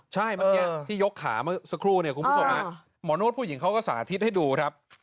ใช่เมื่อกี้ที่ยกขาเมื่อสักครู่เนี่ยคุณผู้ชมหมอนวดผู้หญิงเขาก็สาธิตให้ดูครับ